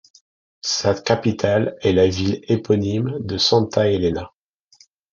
Sa capitale est la ville éponyme de Santa Elena.